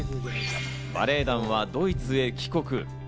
バレエ団はドイツへ帰国。